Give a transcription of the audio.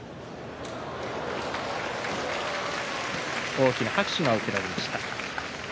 大きな拍手が送られました。